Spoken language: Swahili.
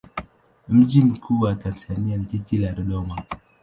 Mji mkuu wa Tanzania ni jiji la Dodoma.